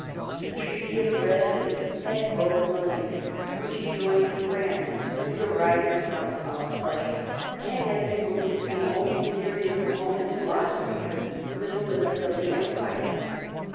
The Treaty of Dresden had broken the link which joined France to the rising House of Prussia, and had removed the only serious opponent to Austria within the limits of the Empire.